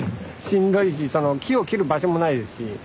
しんどいし木を切る場所もないですし。